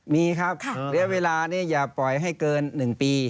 มีครับระยะเวลานี้อย่าปล่อยให้เกิน๑ปี